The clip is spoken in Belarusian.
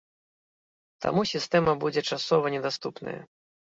Таму сістэма будзе часова недаступная.